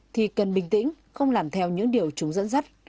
thì cần bình tĩnh không làm theo những điều chúng dẫn dắt